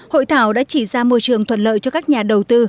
hội thảo đã chỉ ra môi trường thuận lợi cho các nhà đầu tư